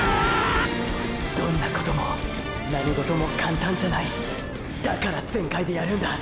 どんなことも何事も簡単じゃないだから全開でやるんだ